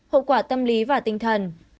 hậu quả tâm lý và tinh thần